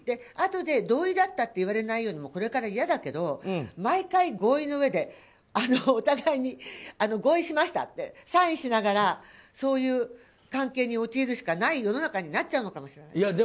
あとで同意があったって言われないようにもこれから嫌だけど毎回、合意のうえでお互いに合意しましたってサインしながらそういう関係に陥るしかない世の中になっちゃうのかもしれない。